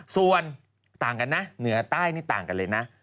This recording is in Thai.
ส่วนต่างกันนะเหนือใต้นี่ต่างกันเลยนะ